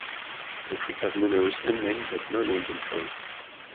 The creek has numerous unnamed but no named inflows.